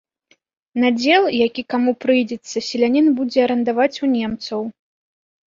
Надзел, які каму прыйдзецца, селянін будзе арандаваць у немцаў.